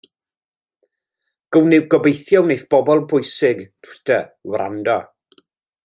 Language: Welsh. Gobeithio wneith pobl bwysig Twitter wrando.